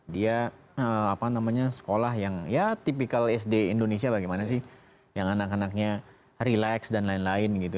dia apa namanya sekolah yang ya tipikal sd indonesia bagaimana sih yang anak anaknya relax dan lain lain gitu